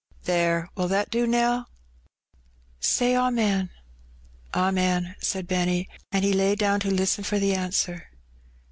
"There, will that do, Nell?" " Say Amen." " Amen," said Benny, and he lay down to listen for the answer.